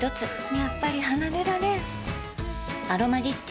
やっぱり離れられん「アロマリッチ」